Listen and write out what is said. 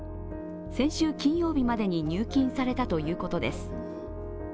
先週金曜日までに入金されたということです。